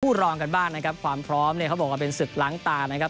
รองกันบ้างนะครับความพร้อมเนี่ยเขาบอกว่าเป็นศึกล้างตานะครับ